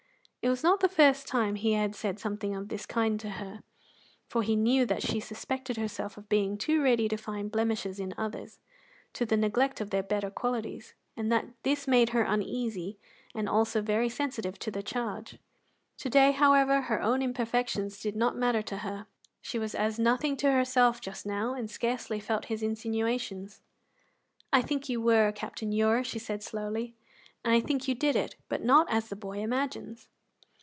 It was not the first time he had said something of this kind to her; for he knew that she suspected herself of being too ready to find blemishes in others, to the neglect of their better qualities, and that this made her uneasy and also very sensitive to the charge. To day, however, her own imperfections did not matter to her; she was as nothing to herself just now, and scarcely felt his insinuations. "I think you were Captain Ure," she said slowly, "and I think you did it, but not as the boy imagines."